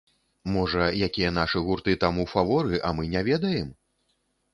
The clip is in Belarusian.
Можа якія нашы гурты там у фаворы, а мы не ведаем?